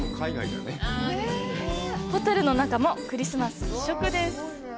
ホテルの中もクリスマス一色！